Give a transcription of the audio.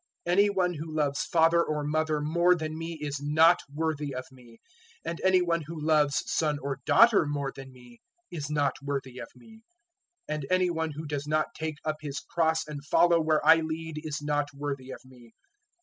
010:037 Any one who loves father or mother more than me is not worthy of me, and any one who loves son or daughter more than me is not worthy of me; 010:038 and any one who does not take up his cross and follow where I lead is not worthy of me.